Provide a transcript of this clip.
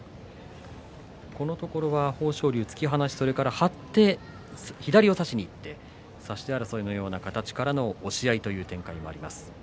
このところは豊昇龍は突き放しそれから張って左を差しにいって差し手争いのような形から押し合いという展開もあります。